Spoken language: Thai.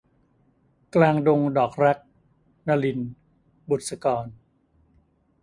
กลางดงดอกรัก - นลิน บุษกร